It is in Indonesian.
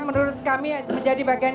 menurut kami menjadi bagian